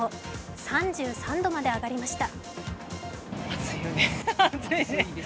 ３３度まで上がりました。